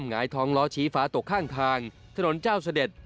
หงายท้องล้อชี้ฟ้าตกข้างทางถนนเจ้าเสด็จ